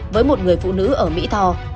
với một người phụ nữ ở mỹ thò